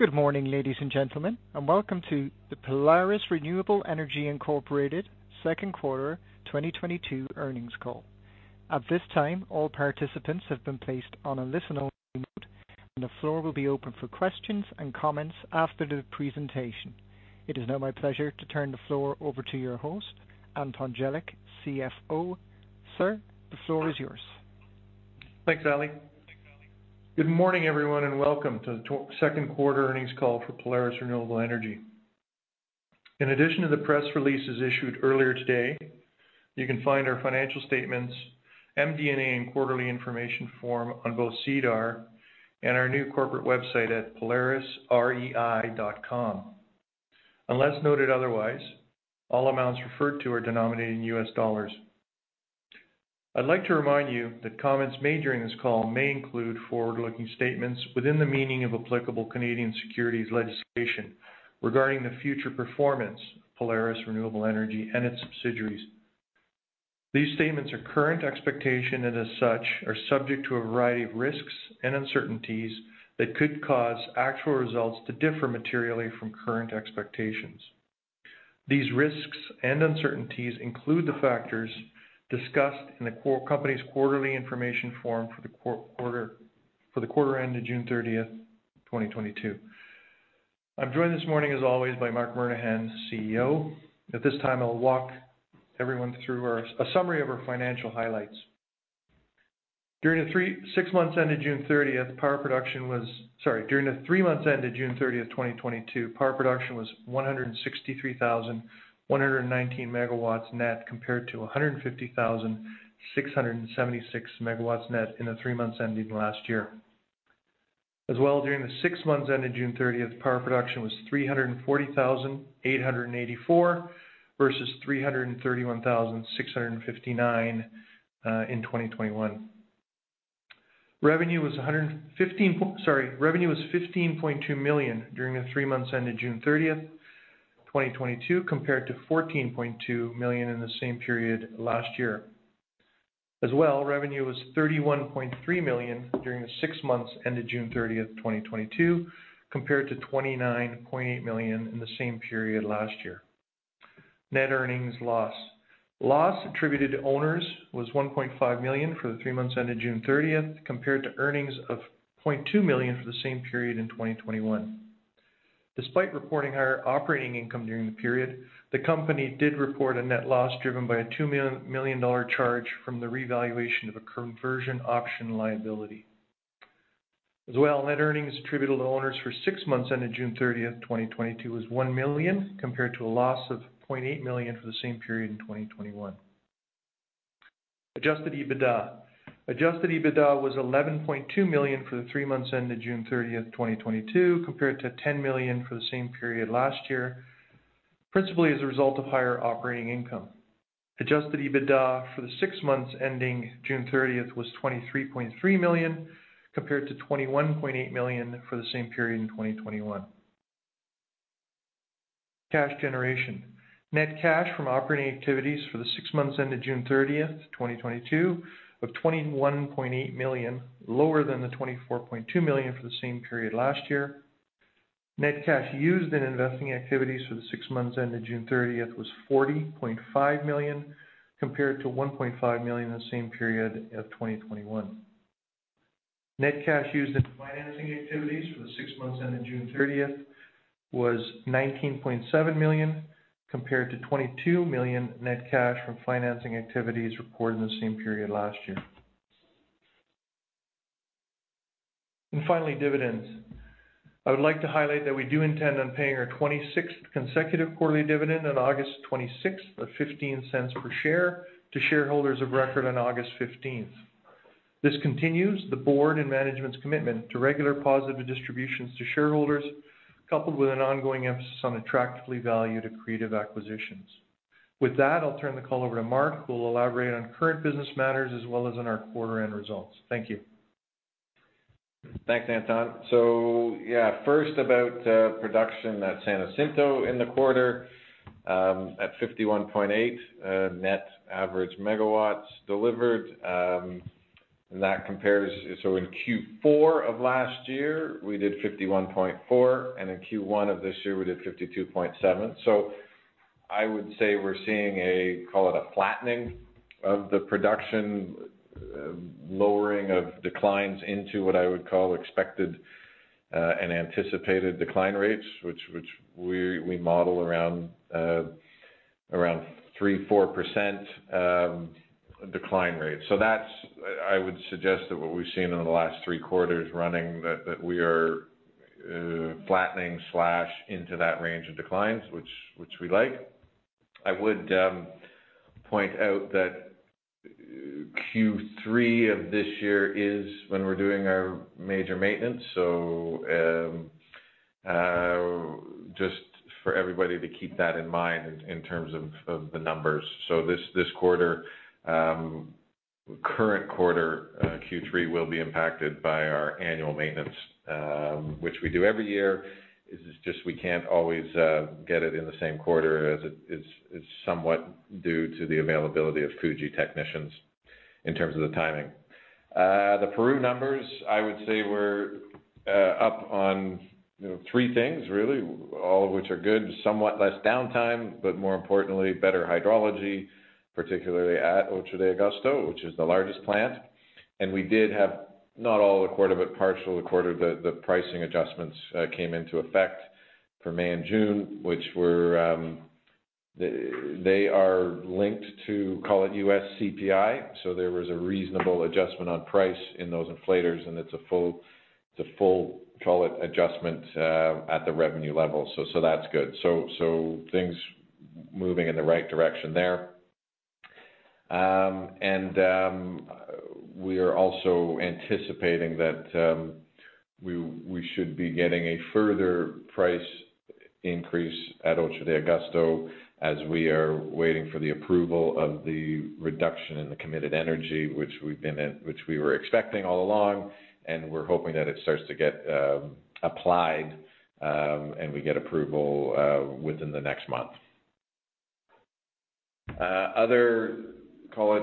Good morning, ladies and gentlemen, and welcome to the Polaris Renewable Energy Inc. Second Quarter 2022 Earnings Call. At this time, all participants have been placed on a listen-only mode, and the floor will be open for questions and comments after the presentation. It is now my pleasure to turn the floor over to your host, Anton Jelić, CFO. Sir, the floor is yours. Thanks, Ali. Good morning, everyone, and welcome to the second quarter earnings call for Polaris Renewable Energy. In addition to the press releases issued earlier today, you can find our financial statements, MD&A, quarterly information form on both SEDAR and our new corporate website at polarisREI.com. Unless noted otherwise, all amounts referred to are denominated in U.S. dollars. I'd like to remind you that comments made during this call may include forward-looking statements within the meaning of applicable Canadian Securities Legislation regarding the future performance of Polaris Renewable Energy and its subsidiaries. These statements are current expectations, and as such, are subject to a variety of risks and uncertainties that could cause actual results to differ materially from current expectations. These risks and uncertainties include the factors discussed in the company's quarterly information form for the quarter ended June 30th, 2022. I'm joined this morning, as always, by Marc Murnaghan, CEO. At this time, I'll walk everyone through a summary of our financial highlights. During the six months ended June 30th, 2022, power production was 163,119 MW net, compared to 150,676 MW net in the three months ending last year. As well during the six months ended June 30th, power production was 340,884 versus 331,659 in 2021. Revenue was $15.2 million during the three months ended June 30th, 2022, compared to $14.2 million in the same period last year. Revenue was $31.3 million during the six months ended June 30, 2022, compared to $29.8 million in the same period last year. Net earnings loss. Loss attributed to owners was $1.5 million for the three months ended June 30th, compared to earnings of $0.2 million for the same period in 2021. Despite reporting higher operating income during the period, the company did report a net loss driven by a $2 million charge from the revaluation of a conversion option liability. As well net earnings attributable to owners for six months ended June 30th, 2022, was $1 million, compared to a loss of $0.8 million for the same period in 2021. Adjusted EBITDA. Adjusted EBITDA was $11.2 million for the three months ended June 30th, 2022, compared to $10 million for the same period last year, principally as a result of higher operating income. Adjusted EBITDA for the six months ending June 30th was $23.3 million, compared to $21.8 million for the same period in 2021. Cash generation. Net cash from operating activities for the six months ended June 30th, 2022, of $21.8 million, lower than the $24.2 million for the same period last year. Net cash used in investing activities for the six months ended June 30th was $40.5 million, compared to $1.5 million in the same period of 2021. Net cash used in financing activities for the six months ended June 30 was $19.7 million, compared to $22 million net cash from financing activities reported in the same period last year. And finally, dividends. I would like to highlight that we do intend on paying our 26th consecutive quarterly dividend on August 26th of $0.15 per share to shareholders of record on August 15th. This continues the board and management's commitment to regular positive distributions to shareholders, coupled with an ongoing of some attractively valued accretive acquisitions. With that, I'll turn the call over to Marc, who will elaborate on current business matters as well as on our quarter-end results. Thank you. Thanks, Anton. Yeah, first about production at San Jacinto in the quarter, at 51.8 net average MW delivered, and that compares. In Q4 of last year, we did 51.4%, and in Q1 of this year, we did 52.7%. I would say we're seeing a, call it a flattening of the production, lowering of declines into what I would call expected and anticipated decline rates, which we model around 3%-4% decline rate. That's. I would suggest that what we've seen over the last three quarters running, that we are flattening into that range of declines, which we like. I would point out that Q3 of this year is when we're doing our major maintenance. Just for everybody to keep that in mind in terms of the numbers. This quarter, current quarter, Q3, will be impacted by our annual maintenance, which we do every year. It's just we can't always get it in the same quarter as it is. It's somewhat due to the availability of Fuji technicians in terms of the timing. The Peru numbers, I would say, were up on three things really, all of which are good. Somewhat less downtime, but more importantly, better Hydrology, particularly at 8 de Agosto, which is the largest plant. We did have, not all the quarter, but part of the quarter, the pricing adjustments came into effect for May and June, which were. They are linked to, call it U.S. CPI. There was a reasonable adjustment on price in those escalators, and it's a full call it adjustment at the revenue level. That's good. Things moving in the right direction there. We are also anticipating that we should be getting a further price increase at 8 de Agosto as we are waiting for the approval of the reduction in the committed energy, which we were expecting all along. We're hoping that it starts to get applied and we get approval within the next month. Other call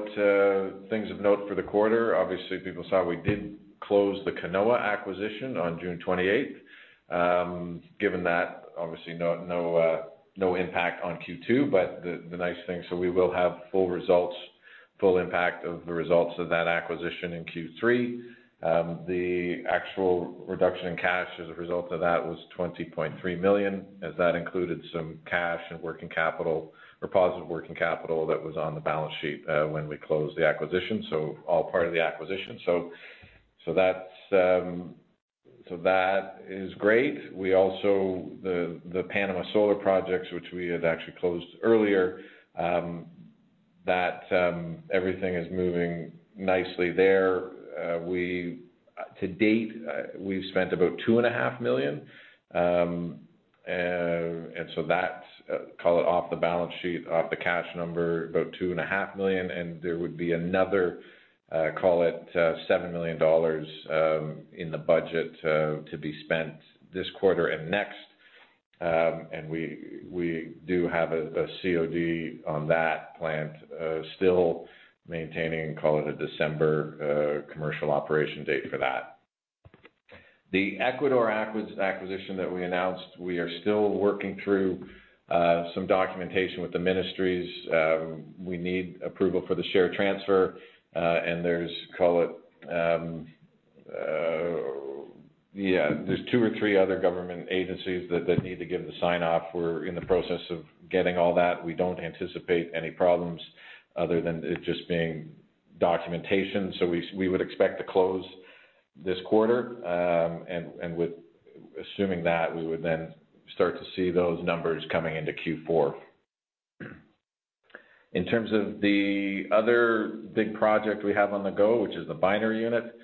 it things of note for the quarter. Obviously, people saw we did close the Canoa acquisition on June 28th. Given that obviously no impact on Q2. The nice thing we will have full results, full impact of the results of that acquisition in Q3. The actual reduction in cash as a result of that was $20.3 million, as that included some cash and working capital or positive working capital that was on the balance sheet when we closed the acquisition. All part of the acquisition. That's great. We also the Panama solar projects, which we had actually closed earlier, that everything is moving nicely there. To date, we've spent about $2.5 million. That's call it off the balance sheet, off the cash number, about $2.5 million. There would be another call it $7 million in the budget to be spent this quarter and next. We do have a COD on that plant still maintaining call it a December commercial operation date for that. The Ecuador acquisition that we announced, we are still working through some documentation with the ministries. We need approval for the share transfer and there's call it two or three other government agencies that need to give the sign-off. We're in the process of getting all that. We don't anticipate any problems other than it just being documentation. We would expect to close this quarter. With assuming that, we would then start to see those numbers coming into Q4. In terms of the other big project we have on the go, which is the binary unit,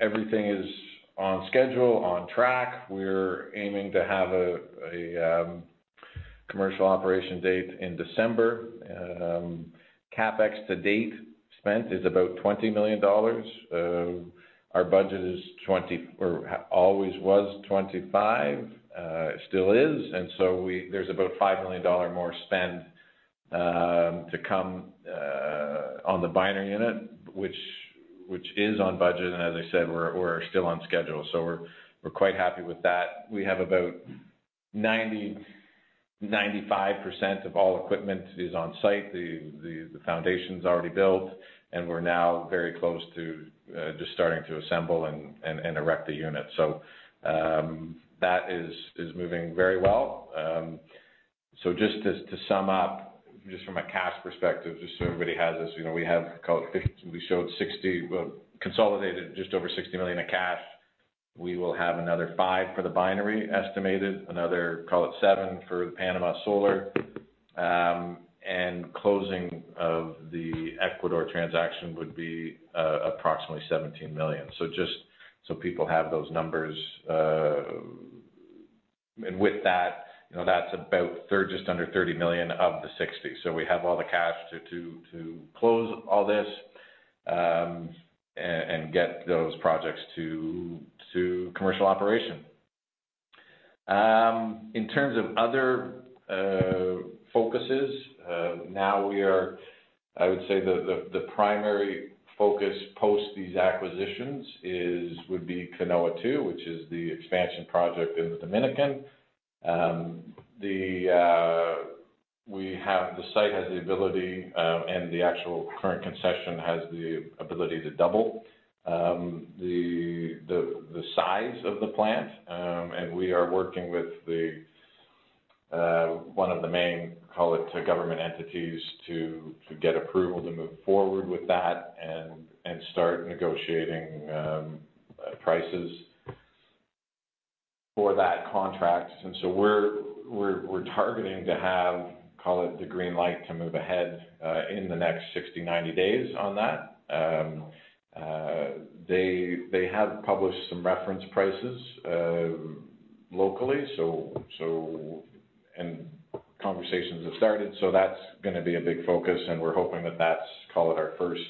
everything is on schedule, on track. We're aiming to have a commercial operation date in December. CapEx to date spent is about $20 million. Our budget always was $25 million. It still is. There's about $5 million more spend to come on the binary unit, which is on budget. As I said, we're still on schedule, so we're quite happy with that. We have about 90%-95% of all equipment is on site. The foundation's already built, and we're now very close to just starting to assemble and erect the unit. That is moving very well. Just to sum up, just from a cash perspective, just so everybody has this. We showed consolidated just over $60 million in cash. We will have another $5 for the binary estimated. Another, call it $7 for Panama Solar. Closing of the Ecuador transaction would be approximately $17 million. Just so people have those numbers. With that's just under $30 million of the $60 million. We have all the cash to close all this and get those projects to commercial operation. In terms of other focuses, I would say the primary focus post these acquisitions is.. Would be Canoa II, which is the expansion project in the Dominican. The site has the ability, and the actual current concession has the ability to double the size of the plant. We are working with one of the main, call it, government entities to get approval to move forward with that and start negotiating prices for that contract. We're targeting to have, call it, the green light to move ahead in the next 60-90 days on that. They have published some reference prices locally. Conversations have started. That's gonna be a big focus, and we're hoping that that's, call it, our first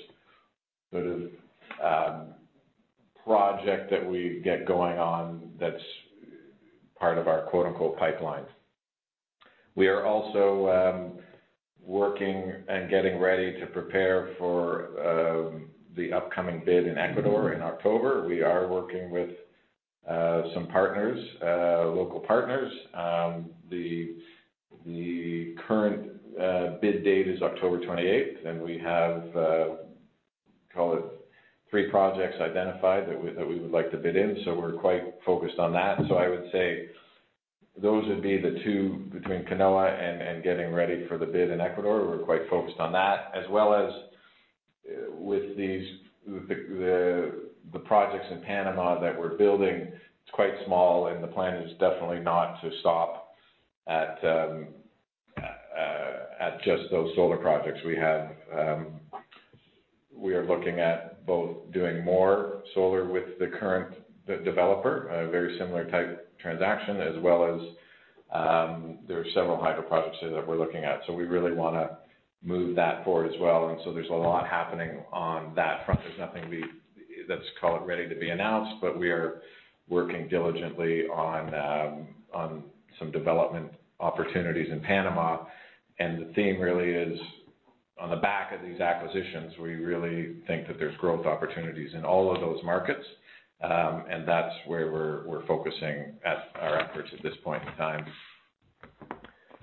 sort of project that we get going on that's part of our quote-unquote pipeline. We are also working and getting ready to prepare for the upcoming bid in Ecuador in October. We are working with some partners, local partners. The current bid date is October 28th, and we have call it three projects identified that we would like to bid in. We're quite focused on that. I would say those would be the two between Canoa and getting ready for the bid in Ecuador. We're quite focused on that. As well as with these the projects in Panama that we're building, it's quite small, and the plan is definitely not to stop at just those solar projects. We have... We are looking at both doing more solar with the current developer, a very similar type transaction, as well as, there are several Hydro projects there that we're looking at. We really wanna move that forward as well. There's a lot happening on that front. There's nothing that's, call it, ready to be announced, but we are working diligently on some development opportunities in Panama. The theme really is on the back of these acquisitions, we really think that there's growth opportunities in all of those markets. That's where we're focusing our efforts at this point in time.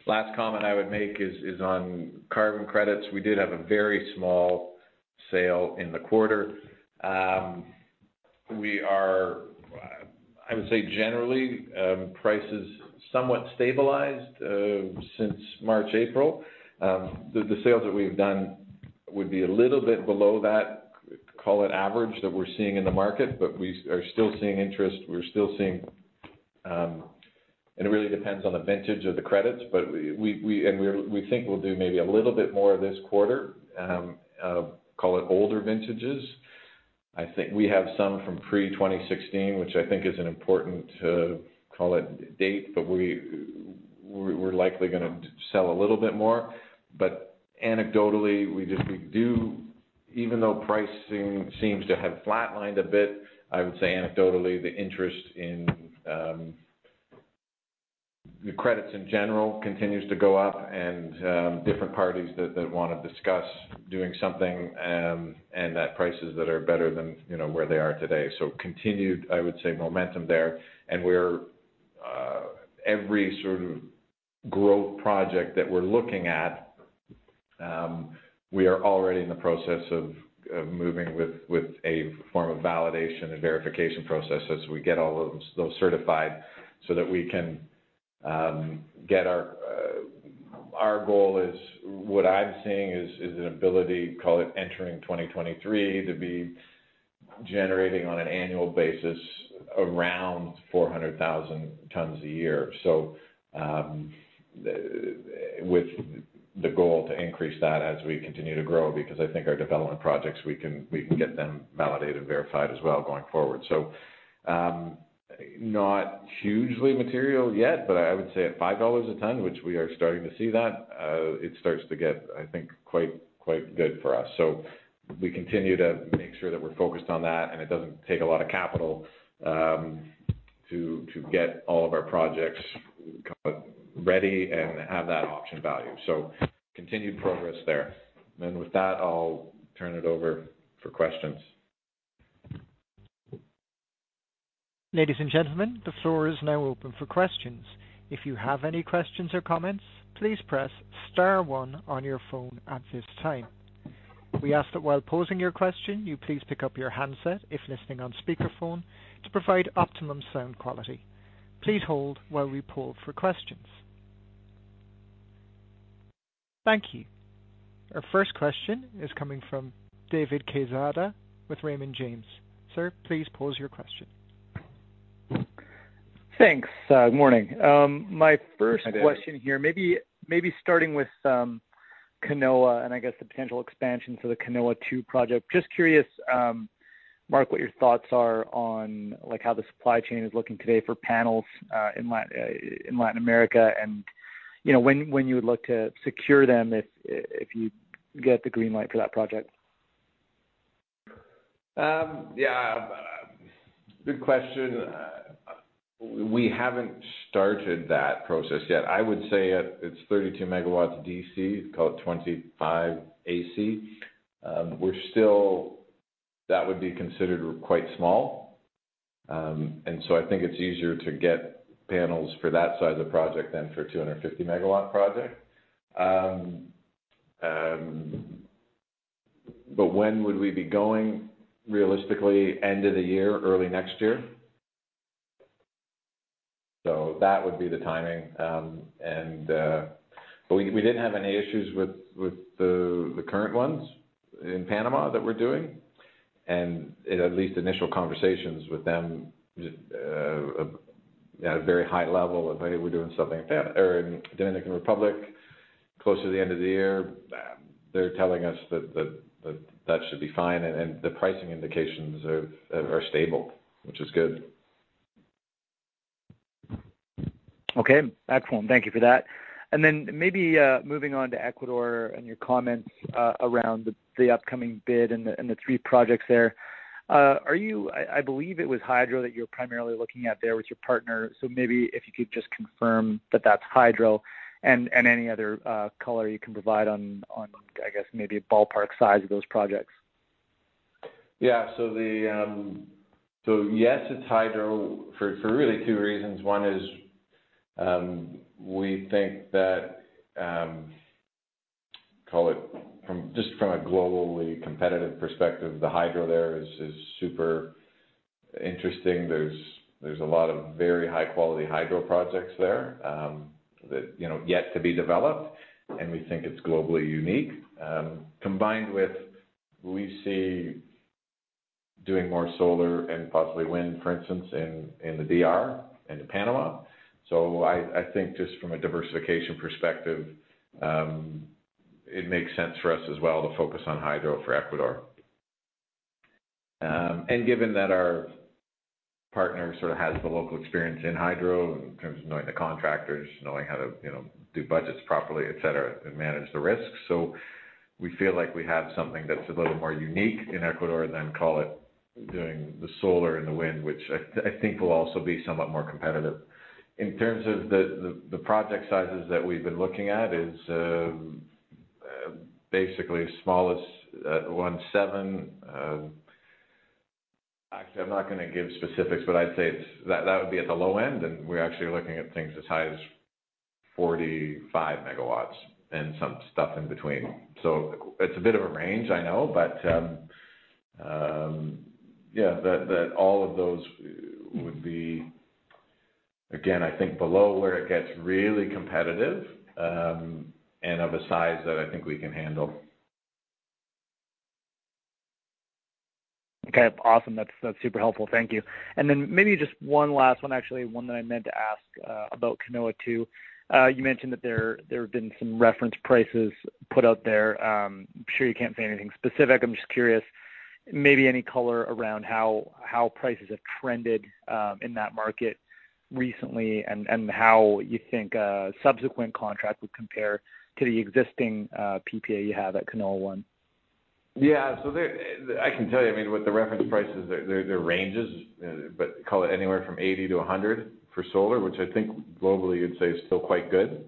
Last comment I would make is on carbon credits. We did have a very small sale in the quarter. We are, I would say generally, prices somewhat stabilized since March, April. The sales that we've done would be a little bit below that, call it average, that we're seeing in the market. We are still seeing interest. We're still seeing. It really depends on the vintage of the credits, but we think we'll do maybe a little bit more this quarter, call it older vintages. I think we have some from pre-2016, which I think is an important call it date, but we're likely gonna sell a little bit more. Anecdotally, even though pricing seems to have flatlined a bit, I would say anecdotally, the interest in the credits in general continues to go up and different parties that wanna discuss doing something and at prices that are better than, you know, where they are today. Continued, I would say, momentum there. We're every sort of growth project that we're looking at, we are already in the process of moving with a form of validation and verification processes. We get all of those certified so that we can get our. Our goal is, what I'm seeing is an ability, call it entering 2023, to be generating on an annual basis around 400,000 tons a year. With the goal to increase that as we continue to grow, because I think our development projects, we can get them validated, verified as well going forward. Not hugely material yet, but I would say at $5 a ton, which we are starting to see that, it starts to get, I think, quite good for us. We continue to make sure that we're focused on that, and it doesn't take a lot of capital to get all of our projects kind of ready and have that option value. Continued progress there. With that, I'll turn it over for questions. Ladies and gentlemen, the floor is now open for questions. If you have any questions or comments, please press star one on your phone at this time. We ask that while posing your question, you please pick up your handset if listening on speakerphone to provide optimum sound quality. Please hold while we poll for questions. Thank you. Our first question is coming from David Quezada with Raymond James. Sir, please pose your question. Thanks. Good morning. My first- Hi, David. Maybe starting with some Canoa and I guess the potential expansion for the Canoa II project. Just curious, Marc, what your thoughts are on, like, how the Supply Chain is looking today for panels in Latin America, and you know, when you would look to secure them if you get the green light for that project. Yeah. Good question. We haven't started that process yet. I would say it's 32 MW DC, call it 25 AC. That would be considered quite small. I think it's easier to get panels for that size of the project than for 250 MW project. When would we be going, realistically? End of the year, early next year. That would be the timing. We didn't have any issues with the current ones in Panama that we're doing. At least initial conversations with them at a very high level of, "Hey, we're doing something like that," or in Dominican Republic. Closer to the end of the year, they're telling us that should be fine and the pricing indications are stable, which is good. Okay. Excellent. Thank you for that. Maybe moving on to Ecuador and your comments around the upcoming bid and the three projects there. I believe it was Hydro that you're primarily looking at there with your partner, so maybe if you could just confirm that that's Hydro and any other color you can provide on, I guess, maybe ballpark size of those projects. Yes, it's Hydro for really two reasons. One is, we think that just from a globally competitive perspective, the Hydro there is super interesting. There's a lot of very high quality Hydro projects there that, you know, yet to be developed, and we think it's globally unique. Combined with we see doing more solar and possibly wind, for instance, in the DR and to Panama. I think just from a diversification perspective, it makes sense for us as well to focus on Hydro for Ecuador. Given that our partner sort of has the local experience in Hydro in terms of knowing the contractors, knowing how to, you know, do budgets properly, et cetera, and manage the risks. We feel like we have something that's a little more unique in Ecuador than, call it, doing the solar and the wind, which I think will also be somewhat more competitive. In terms of the project sizes that we've been looking at is basically as small as 17%. Actually, I'm not gonna give specifics, but I'd say it's that would be at the low end, and we're actually looking at things as high as 45 MW and some stuff in between. It's a bit of a range, I know. Yeah, that all of those would be, again, I think below where it gets really competitive, and of a size that I think we can handle. Okay. Awesome. That's super helpful. Thank you. Maybe just one last one, actually, one that I meant to ask, about Canoa II. You mentioned that there have been some reference prices put out there. I'm sure you can't say anything specific. I'm just curious, maybe any color around how prices have trended in that market recently and how you think a subsequent contract would compare to the existing PPA you have at Canoa I. I can tell you, I mean, with the reference prices, they're ranges, but call it anywhere from $80-100 for solar, which I think globally you'd say is still quite good.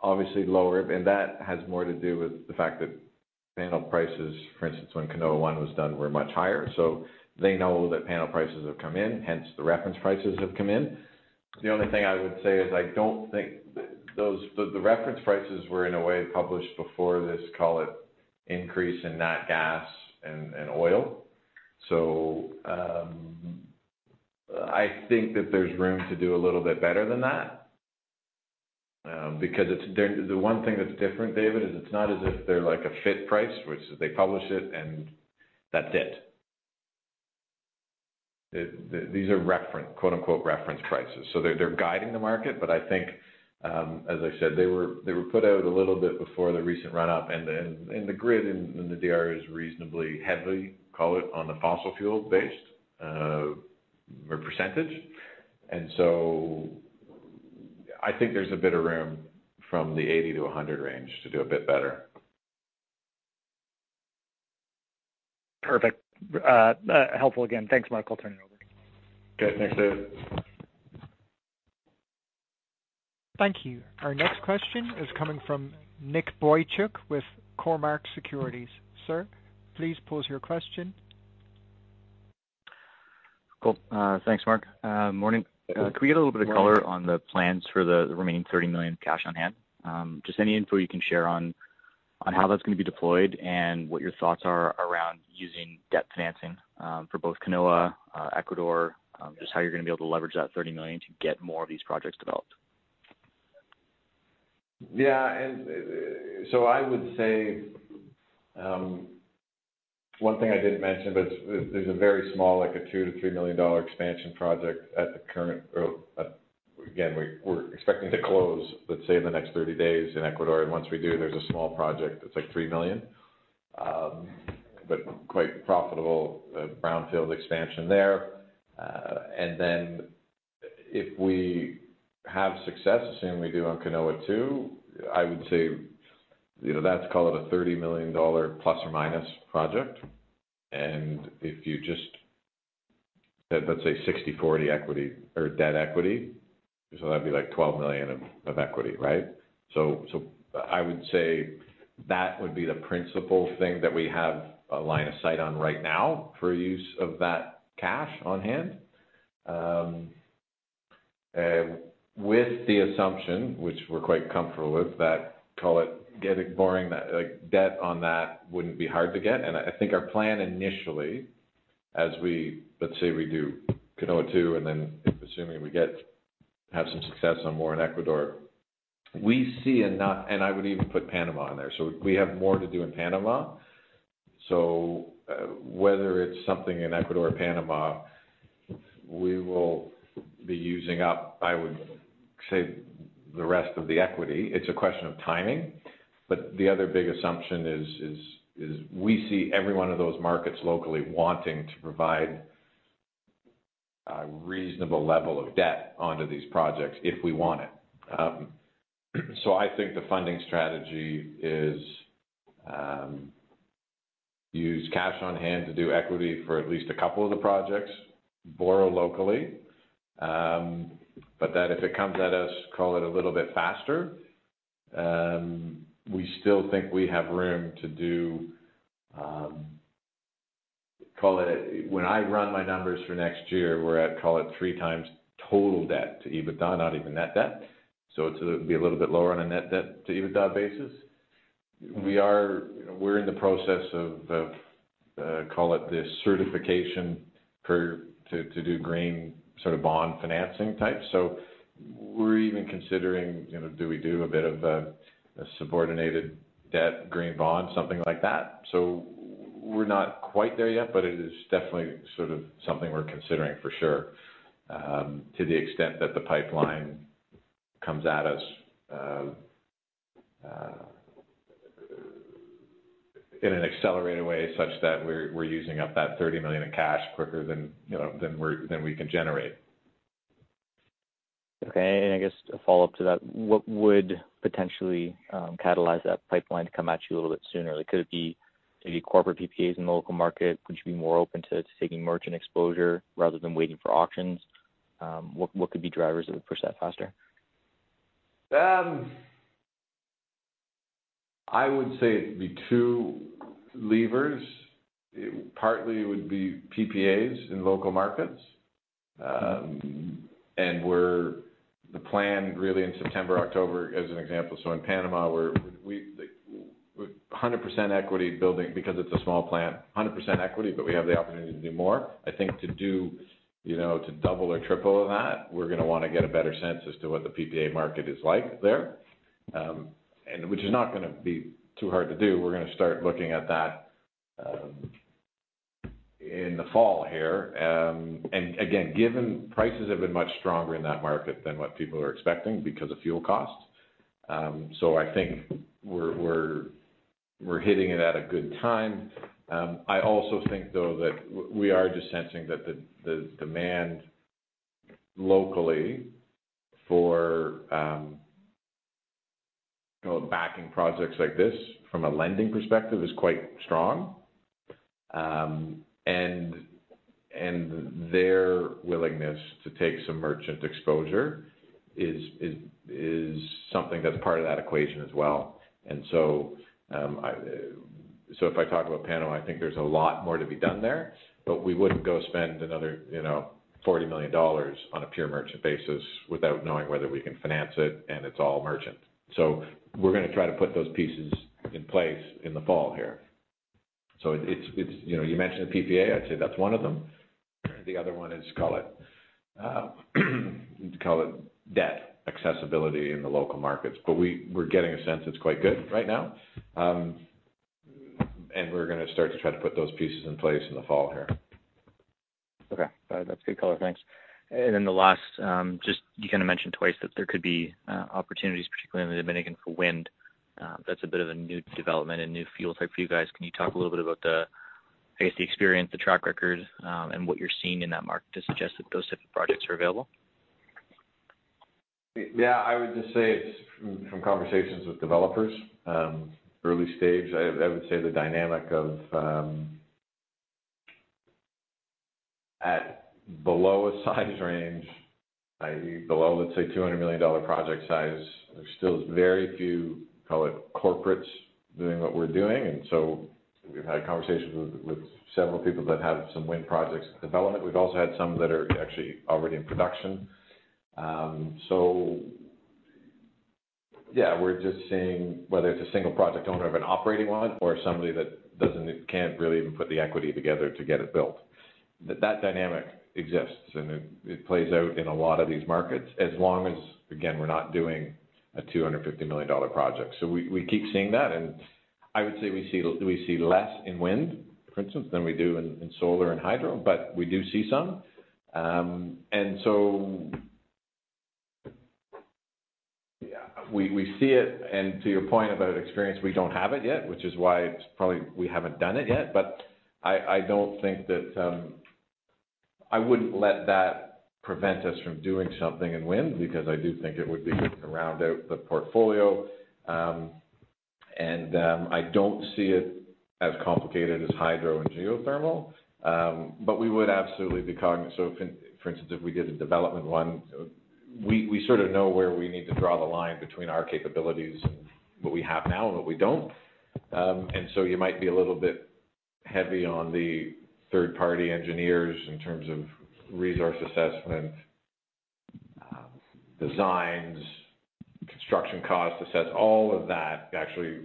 Obviously lower, and that has more to do with the fact that panel prices, for instance, when Canoa I was done, were much higher. They know that panel prices have come in, hence the reference prices have come in. The only thing I would say is I don't think those reference prices were in a way published before this, call it, increase in nat gas and oil. I think that there's room to do a little bit better than that, because the one thing that's different, David, is it's not as if they're like a fixed price, which they publish it and that's it. These are reference, quote-unquote, "reference prices." They're guiding the market, but I think, as I said, they were put out a little bit before the recent run up and the grid in the DR is reasonably heavily, call it, on the fossil fuel based or percentage. I think there's a bit of room from the $80-100 range to do a bit better. Perfect. Helpful again. Thanks, Marc. I'll turn it over. Okay. Thanks, David. Thank you. Our next question is coming from Nicholas Boychuk with Cormark Securities. Sir, please pose your question. Cool. Thanks, Mark. Morning. Morning. Could we get a little bit of color on the plans for the remaining $30 million cash on hand? Just any info you can share on how that's gonna be deployed and what your thoughts are around using debt financing for both Canoa, Ecuador, just how you're gonna be able to leverage that $30 million to get more of these projects developed. Yeah. I would say, one thing I didn't mention, but there's a very small, like a $2-3 million expansion project at the current, or again, we're expecting to close, let's say, in the next 30 days in Ecuador. Once we do, there's a small project that's like $3 million, but quite profitable, brownfield expansion there. Then if we have success, assuming we do on Canoa II, I would say, you know, that's call it a $30 million ± project. If you just let's say 60/40 equity or debt equity. That'd be like $12 million of equity, right? I would say that would be the principal thing that we have a line of sight on right now for use of that cash on hand. With the assumption, which we're quite comfortable with, that, call it, getting borrowing, like, debt on that wouldn't be hard to get. I think our plan initially, let's say we do Canoa II and then assuming we have some success on more in Ecuador, we see and I would even put Panama in there. We have more to do in Panama. Whether it's something in Ecuador or Panama, we will be using up, I would say, the rest of the equity. It's a question of timing. The other big assumption is we see every one of those markets locally wanting to provide a reasonable level of debt onto these projects if we want it. I think the funding strategy is use cash on hand to do equity for at least a couple of the projects, borrow locally, but then if it comes at us call it a little bit faster, we still think we have room to do call it. When I run my numbers for next year, we're at call it 3x Total Debt to EBITDA, not even net debt. It's be a little bit lower on a net debt to EBITDA basis. We're in the process of the certification to do green bond financing type. We're even considering you know do we do a bit of a subordinated debt green bond, something like that. We're not quite there yet, but it is definitely sort of something we're considering for sure, to the extent that the pipeline comes at us, in an accelerated way such that we're using up that $30 million in cash quicker than, you know, than we can generate. Okay. I guess a follow-up to that, what would potentially catalyze that pipeline to come at you a little bit sooner? Could it be maybe corporate PPAs in the local market? Would you be more open to taking merchant exposure rather than waiting for auctions? What could be drivers that would push that faster? I would say it'd be two levers. It partly would be PPAs in local markets. The plan really in September, October as an example, so in Panama where we hundred percent equity building because it's a small plant. 100% equity, but we have the opportunity to do more. I think to do, you know, to double or triple that, we're gonna wanna get a better sense as to what the PPA market is like there, and which is not gonna be too hard to do. We're gonna start looking at that in the fall here. Again, given prices have been much stronger in that market than what people are expecting because of fuel costs. I think we're hitting it at a good time. I also think though that we are just sensing that the demand locally for backing projects like this from a lending perspective is quite strong. Their willingness to take some merchant exposure is something that's part of that equation as well. If I talk about Panama, I think there's a lot more to be done there, but we wouldn't go spend another, you know, $40 million on a pure merchant basis without knowing whether we can finance it, and it's all merchant. We're gonna try to put those pieces in place in the fall here. You know, you mentioned the PPA. I'd say that's one of them. The other one is, call it, debt accessibility in the local markets. We're getting a sense it's quite good right now. And we're gonna start to try to put those pieces in place in the fall here. Okay. That's good color. Thanks. The last, just you kinda mentioned twice that there could be opportunities, particularly in the Dominican for wind. That's a bit of a new development and new fuel type for you guys. Can you talk a little bit about the, I guess, the experience, the track record, and what you're seeing in that market to suggest that those specific projects are available? Yeah, I would just say it's from conversations with developers, early stage. I would say the dynamic of at below a size range, i.e., below, let's say $200 million project size, there's still very few, call it corporates doing what we're doing. We've had conversations with several people that have some wind projects in development. We've also had some that are actually already in production. Yeah, we're just seeing whether it's a single project owner of an operating one or somebody that can't really even put the equity together to get it built. That dynamic exists, and it plays out in a lot of these markets as long as, again, we're not doing a $250 million project. We keep seeing that. I would say we see less in wind, for instance, than we do in solar and Hydro, but we do see some. We see it, and to your point about experience, we don't have it yet, which is why it's probably we haven't done it yet. I don't think that I wouldn't let that prevent us from doing something in wind because I do think it would be good to round out the portfolio. I don't see it as complicated as Hydro and geothermal. We would absolutely be cognizant, for instance, if we did a development one, we sort of know where we need to draw the line between our capabilities and what we have now and what we don't. You might be a little bit heavy on the third-party engineers in terms of resource assessment, designs, construction costs, assess all of that, actually,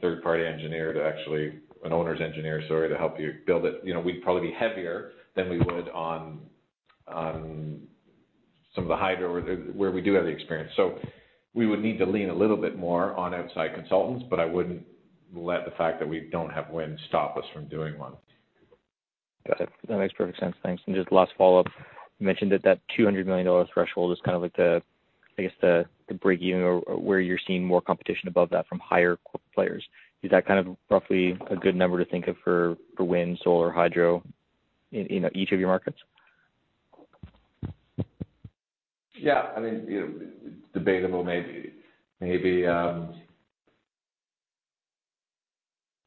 third-party engineer to actually an owner's engineer, sorry, to help you build it. You know, we'd probably be heavier than we would on some of the Hydro where we do have the experience. We would need to lean a little bit more on outside consultants, but I wouldn't let the fact that we don't have wind stop us from doing one. Got it. That makes perfect sense. Thanks. Just last follow-up, you mentioned that $200 million threshold is kind of like the, I guess, the break-even or where you're seeing more competition above that from higher players. Is that kind of roughly a good number to think of for wind, solar, Hydro in each of your markets? Yeah. I mean, you know, debatable maybe. Maybe,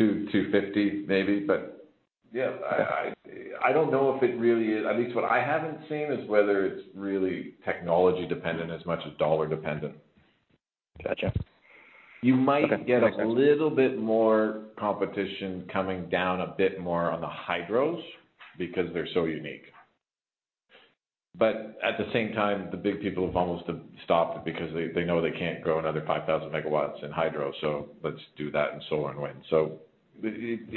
$200-250 maybe. Yeah, I don't know if it really is. At least what I haven't seen is whether it's really technology dependent as much as dollar dependent. Gotcha. You might- Okay. Get a little bit more competition coming down a bit more on the Hydros because they're so unique. At the same time, the big people have almost stopped because they know they can't grow another 5,000 MW in Hydro, so let's do that in solar and wind.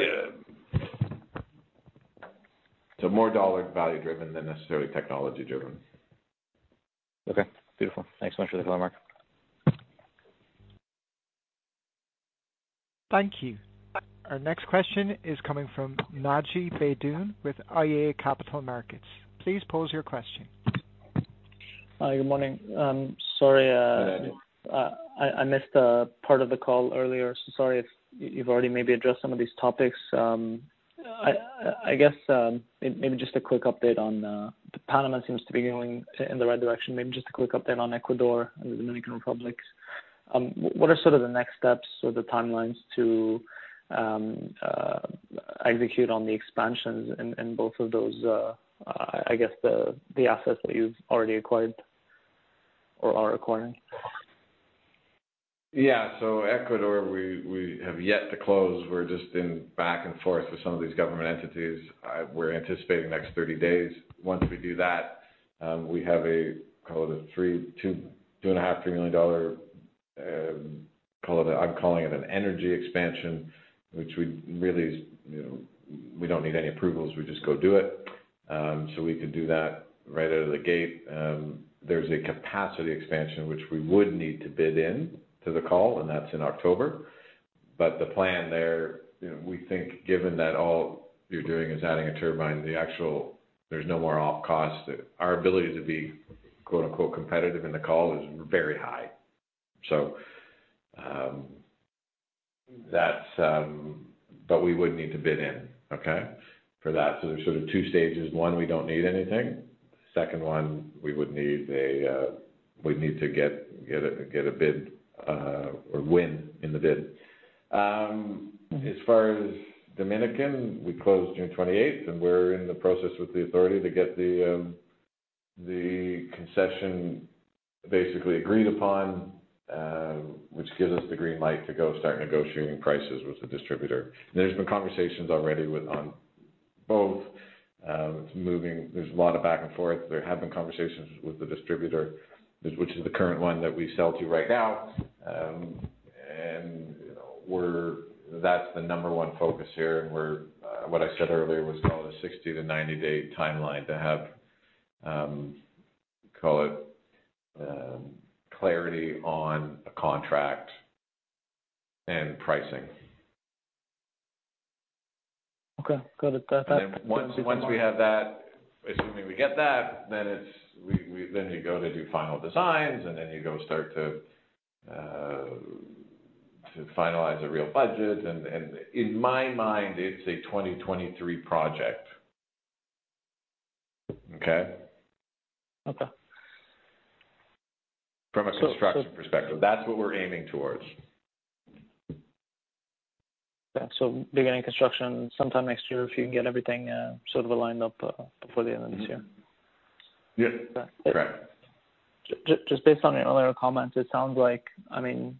More dollar value driven than necessarily technology driven. Okay. Beautiful. Thanks so much for the call, Marc. Thank you. Our next question is coming from Naji Baydoun with iA Capital Markets. Please pose your question. Good morning. I'm sorry. Good morning. I missed the part of the call earlier, so sorry if you've already maybe addressed some of these topics. I guess, maybe just a quick update on Panama seems to be going in the right direction. Maybe just a quick update on Ecuador and the Dominican Republic. What are sort of the next steps or the timelines to execute on the expansions in both of those, I guess, the assets that you've already acquired or are acquiring? Ecuador, we have yet to close. We're just in back and forth with some of these government entities. We're anticipating next 30 days. Once we do that, we have a $2.5-$3 million. I'm calling it an energy expansion, which we really, you know, we don't need any approvals. We just go do it. We can do that right out of the gate. There's a capacity expansion, which we would need to bid into the call, and that's in October. The plan there, you know, we think given that all you're doing is adding a turbine, the actual, there's no more upfront cost. Our ability to be competitive in the call is very high. We would need to bid in, okay, for that. There's sort of two stages. One, we don't need anything. Second one, we'd need to get a bid or win in the bid. As far as Dominican, we close June 28th, and we're in the process with the authority to get the concession basically agreed upon, which gives us the green light to go start negotiating prices with the distributor. There's been conversations already with on both moving. There's a lot of back and forth. There have been conversations with the distributor, which is the current one that we sell to right now. That's the number one focus here, and we're, what I said earlier was call it a 60-90-day timeline to have, call it, clarity on a contract and pricing. Okay. Got it. Then once we have that, assuming we get that, then you go to do final designs, and then you go start to finalize a real budget. In my mind, it's a 2023 project. Okay? Okay. From a construction perspective, that's what we're aiming towards. Yeah. Beginning construction sometime next year if you can get everything, sort of lined up, before the end of this year. Yep. Okay. Correct. Just based on your earlier comments, it sounds like, I mean,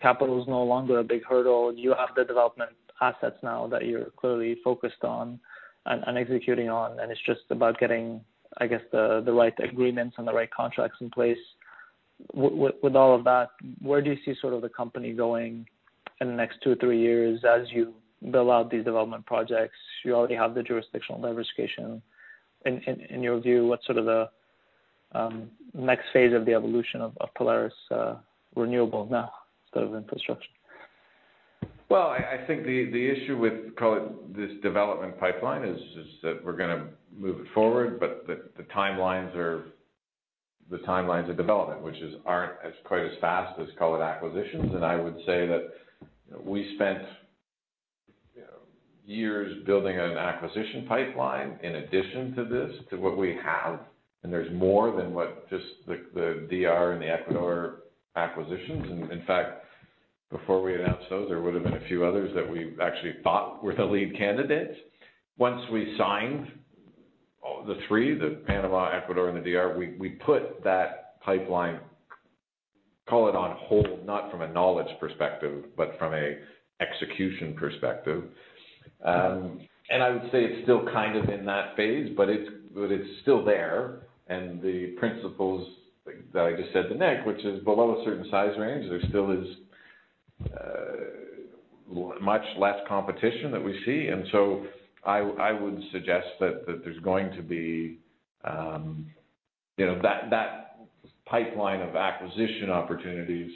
capital is no longer a big hurdle. You have the development assets now that you're clearly focused on and executing on, and it's just about getting, I guess, the right agreements and the right contracts in place. With all of that, where do you see sort of the company going in the next two, three years as you build out these development projects? You already have the jurisdictional diversification. In your view, what's sort of the next phase of the evolution of Polaris renewable now instead of infrastructure? Well, I think the issue with, call it, this development pipeline is that we're gonna move it forward, but the timelines of development aren't quite as fast as call it acquisitions. I would say that we spent, you know, years building an acquisition pipeline in addition to this, to what we have. There's more than just the DR and the Ecuador acquisitions. In fact, before we announced those, there would have been a few others that we actually thought were the lead candidates. Once we signed the three, the Panama, Ecuador and the DR, we put that pipeline, call it on hold, not from a knowledge perspective, but from an execution perspective. I would say it's still kind of in that phase, but it's still there. The principles that I just said to Nick, which is below a certain size range, there still is much less competition that we see. I would suggest that there's going to be, you know, that pipeline of acquisition opportunities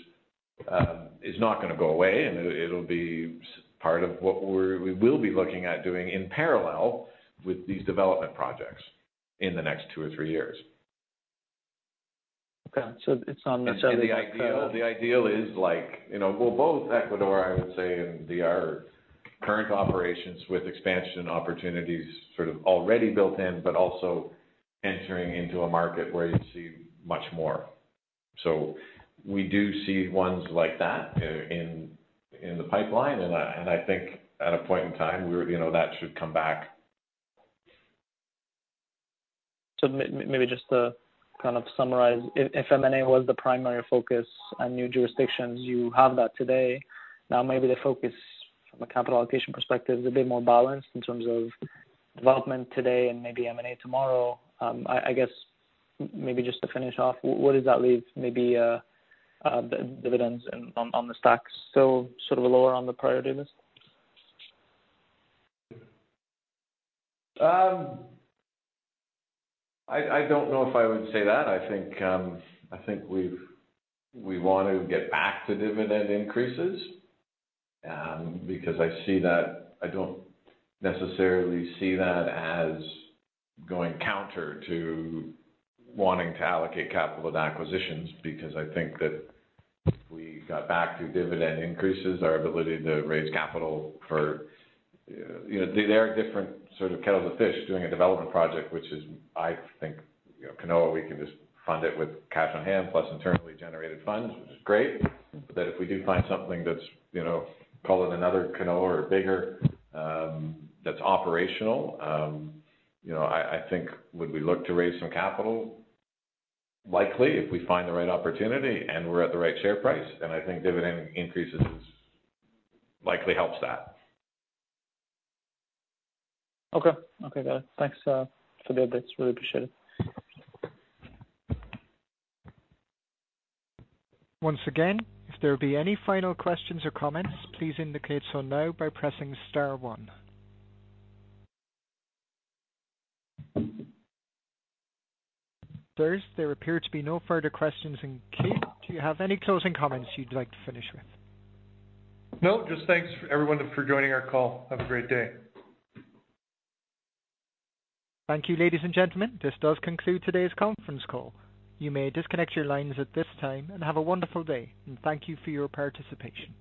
is not gonna go away, and it'll be part of what we will be looking at doing in parallel with these development projects in the next two or three years. Okay. It's on the southern. The ideal is like, you know, well, both Ecuador, I would say, and they are current operations with expansion opportunities sort of already built in, but also entering into a market where you see much more. We do see ones like that in the pipeline. I think at a point in time, you know, that should come back. Maybe just to kind of summarize. If M&A was the primary focus on new jurisdictions, you have that today. Now maybe the focus from a capital allocation perspective is a bit more balanced in terms of development today and maybe M&A tomorrow. I guess maybe just to finish off, what does that leave maybe the dividends and on the stocks, so sort of lower on the priority list? I don't know if I would say that. I think we want to get back to dividend increases, because I see that I don't necessarily see that as going counter to wanting to allocate capital to acquisitions because I think that if we got back to dividend increases, our ability to raise capital for you know, they are different sort of kettles of fish doing a development project, which is, I think, you know, Canoa, we can just fund it with cash on hand plus internally generated funds, which is great. If we do find something that's, you know, call it another Canoa or bigger, that's operational, you know, I think would we look to raise some capital? Likely, if we find the right opportunity and we're at the right share price, then I think dividend increases likely helps that. Okay, got it. Thanks for the updates. Really appreciate it. Once again, if there be any final questions or comments, please indicate so now by pressing star one. There appear to be no further questions in queue. Do you have any closing comments you'd like to finish with? No, just thanks everyone for joining our call. Have a great day. Thank you, ladies and gentlemen. This does conclude today's conference call. You may disconnect your lines at this time and have a wonderful day, and thank you for your participation.